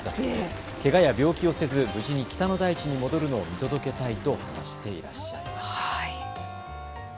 けがや病気をせず無事に北の大地へ戻るのを見届けたいと話していました。